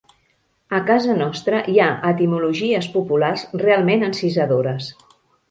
A casa nostra hi ha etimologies populars realment encisadores.